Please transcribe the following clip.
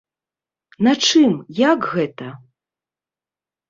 На чым, як гэта?